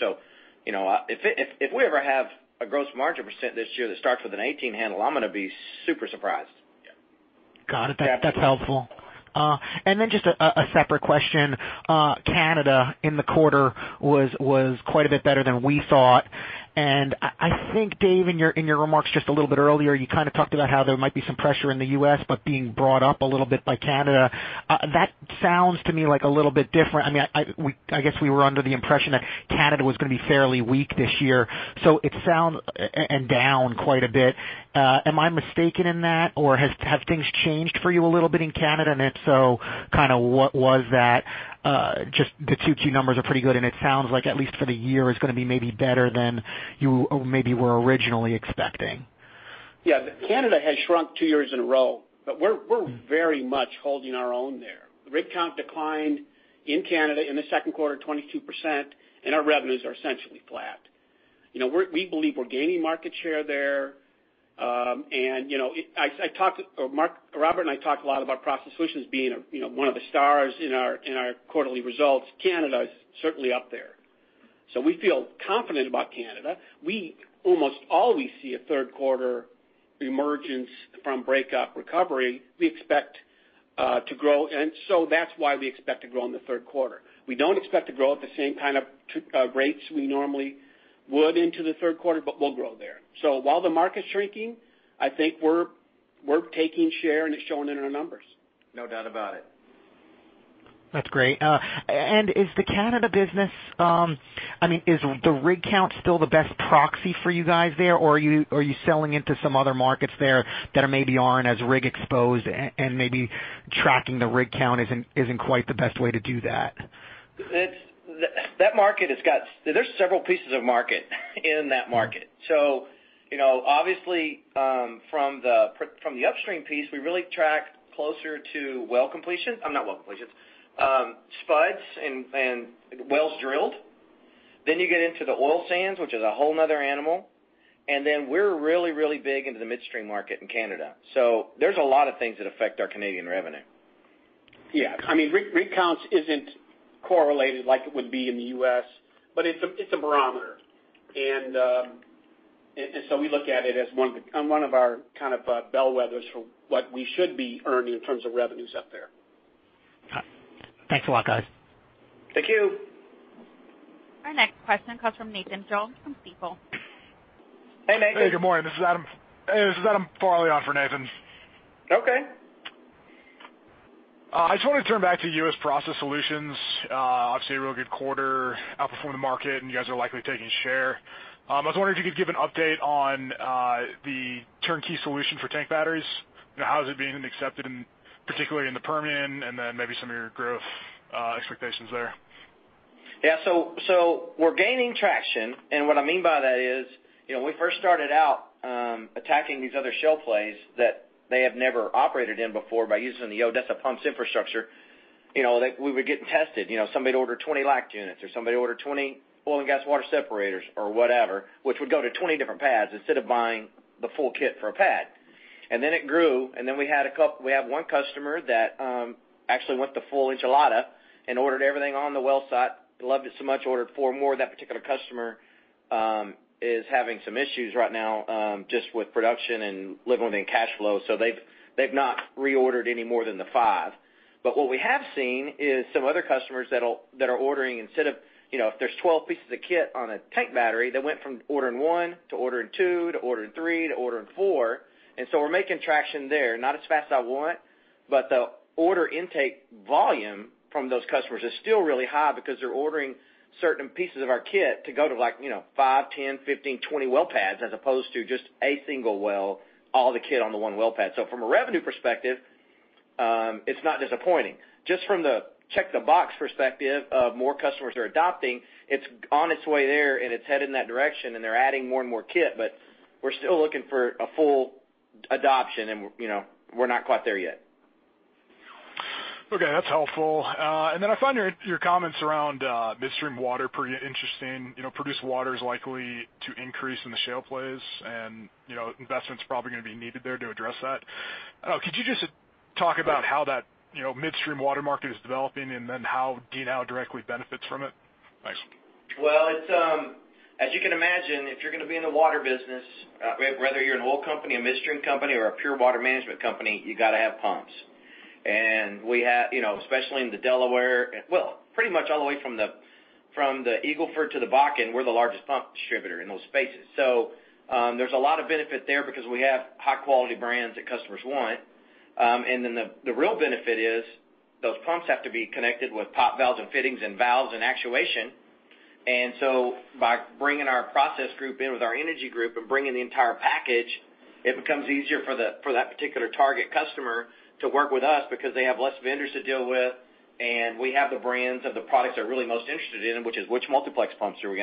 If we ever have a gross margin percent this year that starts with an 18% handle, I'm going to be super surprised.
Got it. That's helpful. Just a separate question. Canada in the quarter was quite a bit better than we thought. I think, Dave, in your remarks just a little bit earlier, you kind of talked about how there might be some pressure in the U.S. but being brought up a little bit by Canada. That sounds to me like a little bit different. I guess we were under the impression that Canada was going to be fairly weak this year, and down quite a bit. Am I mistaken in that? Have things changed for you a little bit in Canada? If so, what was that? Just the 2Q numbers are pretty good, and it sounds like at least for the year is going to be maybe better than you maybe were originally expecting.
Yeah. Canada has shrunk two years in a row, but we're very much holding our own there. The rig count declined in Canada in the second quarter 22%, and our revenues are essentially flat. We believe we're gaining market share there. Robert and I talked a lot about Process Solutions being one of the stars in our quarterly results. Canada is certainly up there. We feel confident about Canada. We almost always see a third quarter emergence from breakup recovery. We expect to grow. That's why we expect to grow in the third quarter. We don't expect to grow at the same kind of rates we normally would into the third quarter, but we'll grow there. While the market's shrinking, I think we're taking share, and it's showing in our numbers.
No doubt about it.
Is the Canada business, is the rig count still the best proxy for you guys there, or are you selling into some other markets there that maybe aren't as rig-exposed and maybe tracking the rig count isn't quite the best way to do that?
There's several pieces of market in that market. Obviously, from the upstream piece, we really track closer to spuds and wells drilled. You get into the oil sands, which is a whole another animal. We're really, really big into the midstream market in Canada. There's a lot of things that affect our Canadian revenue.
Yeah. Rig counts isn't correlated like it would be in the U.S., but it's a barometer. We look at it as one of our kind of bellwethers for what we should be earning in terms of revenues up there.
Thanks a lot, guys.
Thank you.
Our next question comes from Nathan Jones from Stifel.
Hey, Nathan.
Hey, good morning. This is Adam Farley on for Nathan.
Okay.
I just want to turn back to U.S. Process Solutions. Obviously, a real good quarter, outperformed the market, and you guys are likely taking share. I was wondering if you could give an update on the turnkey solution for tank batteries. How is it being accepted, particularly in the Permian, and then maybe some of your growth expectations there?
Yeah. We're gaining traction, and what I mean by that is, when we first started out attacking these other shale plays that they have never operated in before by using the Odessa Pumps infrastructure, we were getting tested. Somebody would order 20 LACT units, or somebody would order 20 oil and gas water separators, or whatever, which would go to 20 different pads instead of buying the full kit for a pad. It grew, and then we have one customer that actually went the full enchilada and ordered everything on the well site. He loved it so much, he ordered four more. That particular customer is having some issues right now just with production and living within cash flow, so they've not reordered any more than the five. What we have seen is some other customers that are ordering instead of if there's 12 pieces of kit on a tank battery, they went from ordering one to ordering two, to ordering three, to ordering four. We're making traction there. Not as fast as I want, but the order intake volume from those customers is still really high because they're ordering certain pieces of our kit to go to 5, 10, 15, 20 well pads as opposed to just a single well, all the kit on the one well pad. From a revenue perspective, it's not disappointing. Just from the check the box perspective of more customers are adopting, it's on its way there, and it's headed in that direction, and they're adding more and more kit, but we're still looking for a full adoption, and we're not quite there yet.
Okay, that's helpful. Then I find your comments around midstream water pretty interesting. Produced water is likely to increase in the shale plays, and investment's probably going to be needed there to address that. Could you just talk about how that midstream water market is developing, and then how DNOW directly benefits from it? Thanks.
Well, as you can imagine, if you're going to be in the water business, whether you're an oil company, a midstream company, or a pure water management company, you got to have pumps. Especially in the Delaware, well, pretty much all the way from the Eagle Ford to the Bakken, we're the largest pump distributor in those spaces. There's a lot of benefit there because we have high-quality brands that customers want. The real benefit is those pumps have to be connected with pipe, valves, and fittings and valves and actuation. By bringing our process group in with our energy group and bringing the entire package, it becomes easier for that particular target customer to work with us because they have less vendors to deal with, and we have the brands of the products they're really most interested in, which is which multiplex pumps do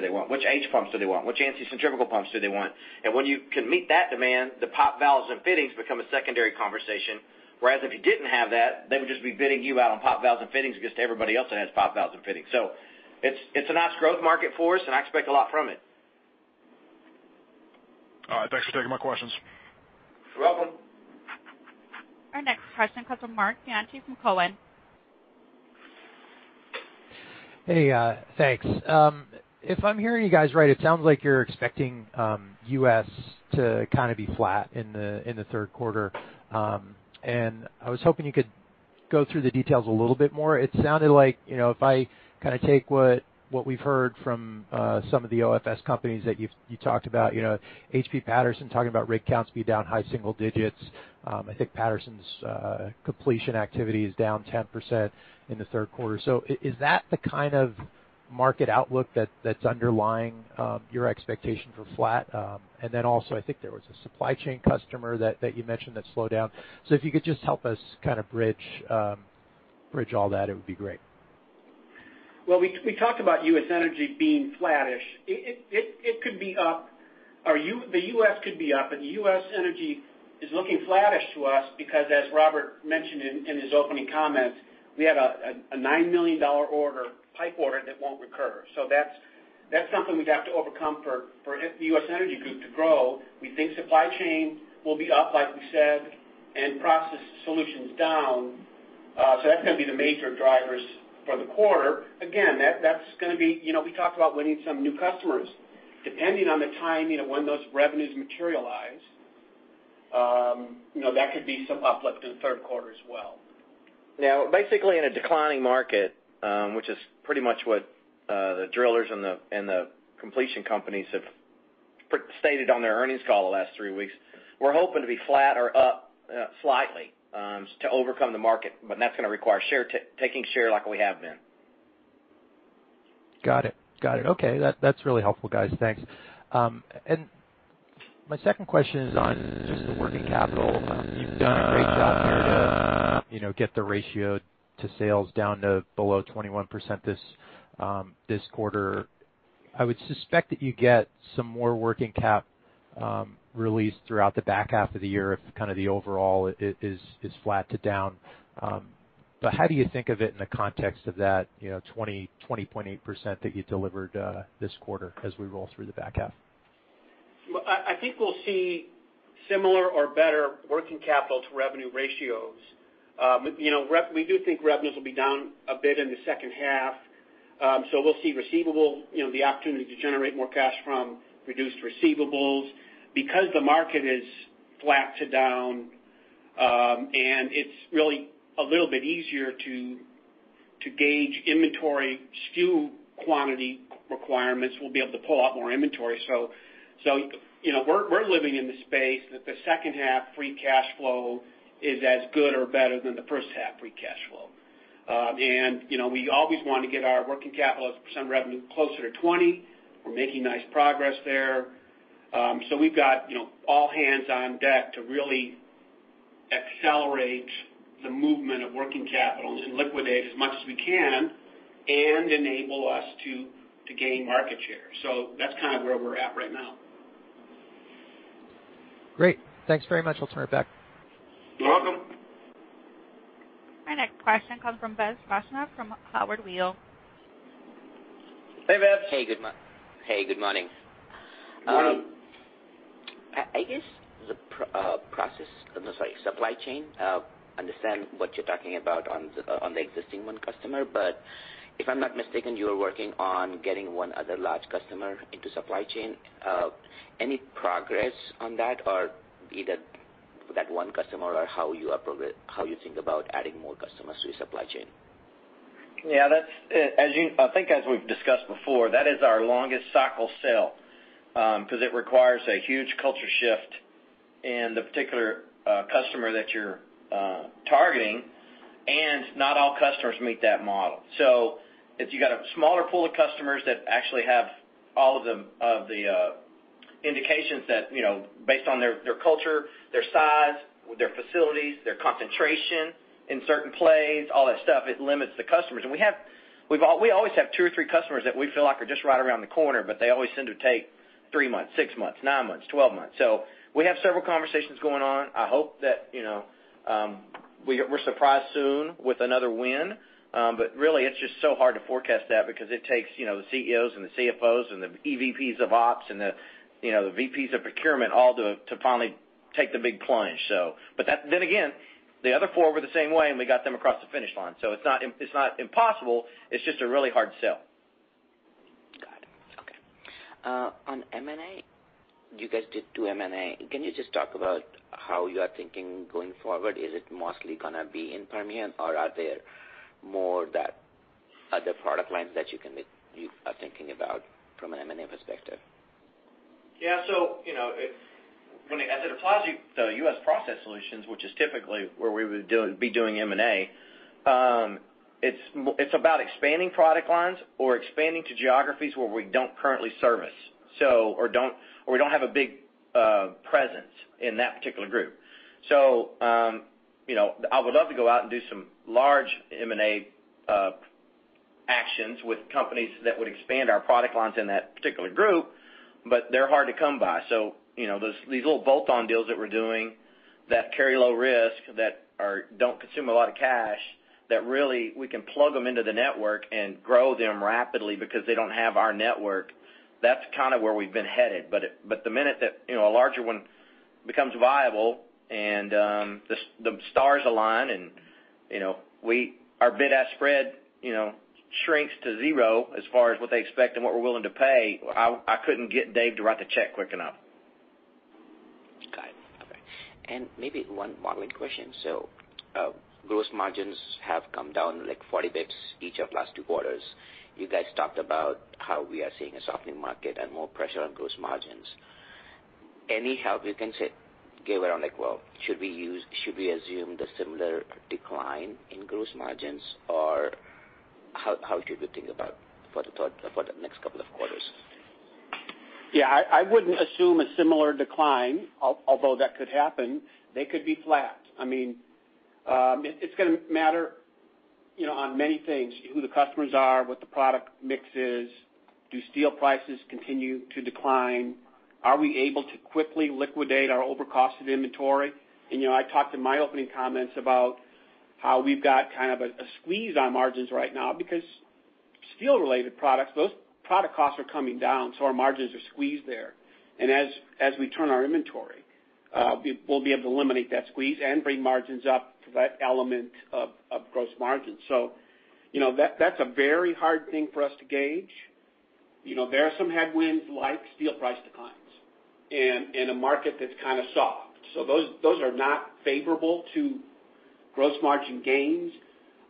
they want? Which H-Pumps do they want? Which ANSI centrifugal pumps do they want? When you can meet that demand, the pipe, valves, and fittings become a secondary conversation. Whereas if you didn't have that, they would just be bidding you out on pipe, valves, and fittings against everybody else that has pipe, valves, and fittings. It's a nice growth market for us, and I expect a lot from it.
All right. Thanks for taking my questions.
You're welcome.
Our next question comes from Marc Bianchi from Cowen.
Hey, thanks. If I'm hearing you guys right, it sounds like you're expecting U.S. to kind of be flat in the third quarter. I was hoping you could go through the details a little bit more. It sounded like, if I take what we've heard from some of the OFS companies that you talked about, H&P and Patterson talking about rig counts be down high-single digits. I think Patterson's completion activity is down 10% in the third quarter. Is that the kind of market outlook that's underlying your expectation for flat? Also, I think there was a supply chain customer that you mentioned that slowed down. If you could just help us kind of bridge all that, it would be great.
Well, we talked about US Energy being flattish. It could be up, or the U.S. could be up, but the U.S. Energy is looking flattish to us because, as Robert mentioned in his opening comments, we had a $9 million pipe order that won't recur. That's something we'd have to overcome for the U.S. Energy group to grow. We think supply chain will be up, like we said, and process solutions down. That's going to be the major drivers for the quarter. Again, we talked about winning some new customers. Depending on the timing of when those revenues materialize, that could be some uplift in the third quarter as well.
Now, basically in a declining market, which is pretty much what the drillers and the completion companies have stated on their earnings call the last three weeks, we're hoping to be flat or up slightly to overcome the market, but that's going to require taking share like we have been.
Got it. Okay, that's really helpful, guys. Thanks. My second question is on just the working capital. You've done a great job here to get the ratio to sales down to below 21% this quarter. I would suspect that you get some more working cap release throughout the back half of the year if kind of the overall is flat to down. How do you think of it in the context of that 20.8% that you delivered this quarter as we roll through the back half?
I think we'll see similar or better working-capital-to-revenue ratios. We do think revenues will be down a bit in the second half. We'll see receivable, the opportunity to generate more cash from reduced receivables. The market is flat to down, and it's really a little bit easier to To gauge inventory SKU quantity requirements, we'll be able to pull out more inventory. We're living in the space that the second half free cash flow is as good or better than the first half free cash flow. We always want to get our working capital as a percent of revenue closer to 20%. We're making nice progress there. We've got all hands on deck to really accelerate the movement of working capital and liquidate as much as we can and enable us to gain market share. That's kind of where we're at right now.
Great. Thanks very much. I'll turn it back.
You're welcome.
Our next question comes from Vaibhav Vaishnav from Howard Weil.
Hey, Vebs.
Hey, good morning.
Good morning.
I guess supply chain, understand what you're talking about on the existing one customer. If I'm not mistaken, you are working on getting one other large customer into supply chain. Any progress on that or be that for that one customer or how you think about adding more customers to your supply chain?
Yeah. I think as we've discussed before, that is our longest cycle sale, because it requires a huge culture shift in the particular customer that you're targeting, and not all customers meet that model. If you got a smaller pool of customers that actually have all of the indications that based on their culture, their size, their facilities, their concentration in certain plays, all that stuff, it limits the customers. We always have two or three customers that we feel like are just right around the corner, but they always seem to take three months, six months, nine months, 12 months. We have several conversations going on. I hope that we're surprised soon with another win. Really it's just so hard to forecast that because it takes the CEOs and the CFOs and the EVPs of ops and the VPs of procurement all to finally take the big plunge. Then again, the other four were the same way, and we got them across the finish line. It's not impossible. It's just a really hard sell.
Got it. Okay. On M&A, you guys did two M&A. Can you just talk about how you are thinking going forward? Is it mostly going to be in Permian or are there more other product lines that you are thinking about from an M&A perspective?
As it applies to U.S. Process Solutions, which is typically where we would be doing M&A, it's about expanding product lines or expanding to geographies where we don't currently service, or we don't have a big presence in that particular group. I would love to go out and do some large M&A actions with companies that would expand our product lines in that particular group, but they're hard to come by. These little bolt-on deals that we're doing that carry low risk, that don't consume a lot of cash, that really we can plug them into the network and grow them rapidly because they don't have our network, that's kind of where we've been headed. The minute that a larger one becomes viable and the stars align and our bid-ask spread shrinks to zero as far as what they expect and what we're willing to pay, I couldn't get Dave to write the check quick enough.
Got it. Okay. Maybe one modeling question. Gross margins have come down like 40 basis points each of last two quarters. You guys talked about how we are seeing a softening market and more pressure on gross margins. Any help you can give around like, well, should we assume the similar decline in gross margins, or how should we think about for the next couple of quarters?
Yeah. I wouldn't assume a similar decline, although that could happen. They could be flat. It's going to matter on many things. Who the customers are, what the product mix is. Do steel prices continue to decline? Are we able to quickly liquidate our over cost of inventory? I talked in my opening comments about how we've got kind of a squeeze on margins right now because steel related products, those product costs are coming down, so our margins are squeezed there. As we turn our inventory, we'll be able to eliminate that squeeze and bring margins up for that element of gross margin. That's a very hard thing for us to gauge. There are some headwinds like steel price declines and a market that's kind of soft. Those are not favorable to gross margin gains.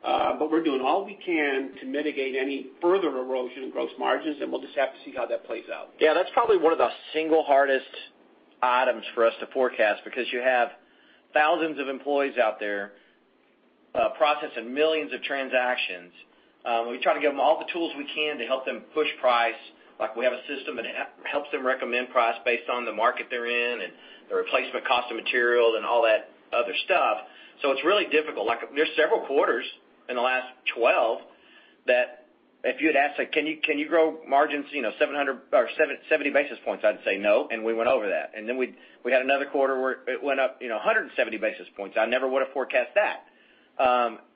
We're doing all we can to mitigate any further erosion in gross margins, and we'll just have to see how that plays out.
Yeah, that's probably one of the single hardest items for us to forecast because you have thousands of employees out there, processing millions of transactions. We try to give them all the tools we can to help them push price. Like we have a system that helps them recommend price based on the market they're in and the replacement cost of material and all that other stuff. It's really difficult. There's several quarters in the last 12 that if you had asked, "Can you grow margins 700 or 70 basis points?" I'd say no, and we went over that. Then we had another quarter where it went up 170 basis points. I never would've forecast that.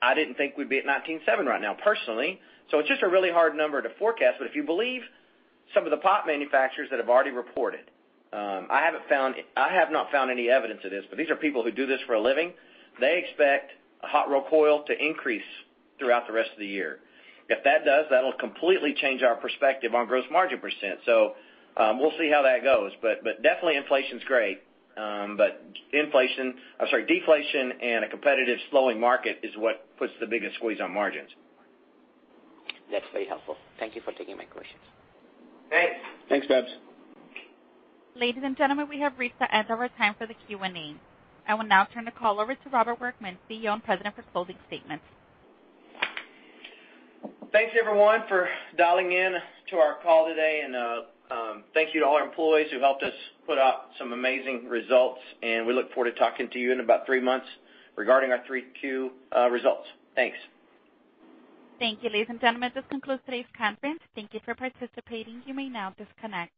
I didn't think we'd be at 19.7% right now, personally. It's just a really hard number to forecast. If you believe some of the pipe manufacturers that have already reported, I have not found any evidence of this, but these are people who do this for a living. They expect hot rolled coil to increase throughout the rest of the year. If that does, that'll completely change our perspective on gross margin percent. We'll see how that goes. Definitely inflation's great. Deflation and a competitive slowing market is what puts the biggest squeeze on margins.
That's very helpful. Thank you for taking my questions.
Thanks. Thanks, Vebs.
Ladies and gentlemen, we have reached the end of our time for the Q&A. I will now turn the call over to Robert Workman, CEO and President, for closing statements.
Thanks everyone for dialing in to our call today. Thank you to all our employees who helped us put out some amazing results. We look forward to talking to you in about three months regarding our 3Q results. Thanks.
Thank you. Ladies and gentlemen, this concludes today's conference. Thank you for participating. You may now disconnect.